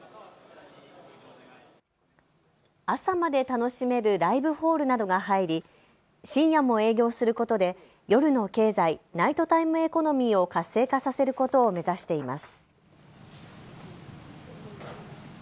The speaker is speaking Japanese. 朝まで楽しめるライブホールなどが入り、深夜も営業することで夜の経済・ナイトタイムエコノミーを活性化させることを目指しています。